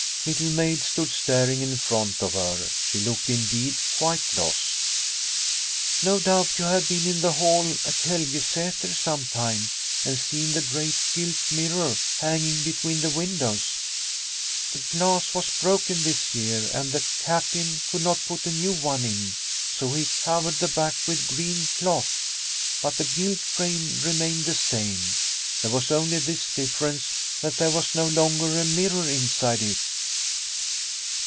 Little Maid stood staring in front of her. She looked indeed quite lost. " No doubt you have been in the hall at Helgesater sometime, and seen the great gilt mirror hanging between the windows. The glass was broken this year and the Captain could not put a new one in, so he covered the back with green cloth. But the gilt frame re mained the same. There was only this differ ence, that there was no longer a mirror inside it."